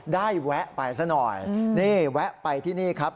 แวะไปซะหน่อยนี่แวะไปที่นี่ครับ